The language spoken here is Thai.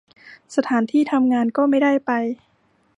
สถานที่ทำงานก็ไม่ได้ไป